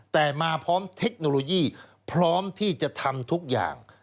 แต่มาพร้อมเทคโนโลยีพร้อมที่จะทำทุกอย่าง